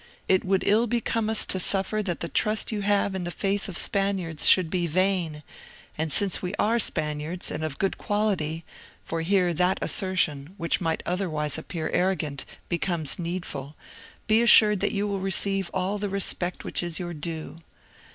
It would ill become us to suffer that the trust you have in the faith of Spaniards should be vain; and since we are Spaniards, and of good quality—for here that assertion, which might otherwise appear arrogant, becomes needful—be assured that you will receive all the respect which is your due."